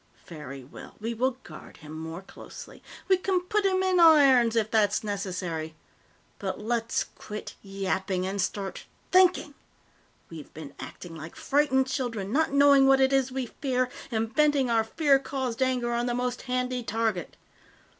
Very well, we will guard him more closely. We can put him in irons if that's necessary. "But let's quit yapping and start thinking! We've been acting like frightened children, not knowing what it is we fear, and venting our fear caused anger on the most handy target!